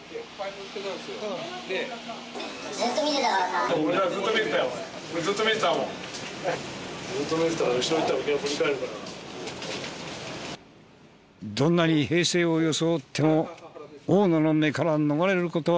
どんなに平静を装っても大野の目から逃れる事はできない。